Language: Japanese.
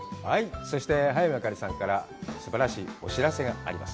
そして、早見あかりさんからすばらしいお知らせがあります。